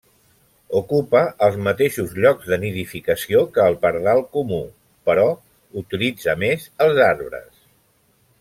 Ocupa els mateixos llocs de nidificació que el pardal comú, però utilitza més els arbres.